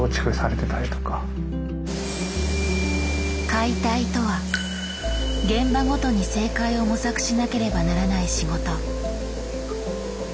「解体」とは現場ごとに正解を模索しなければならない仕事。